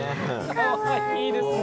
かわいいですね！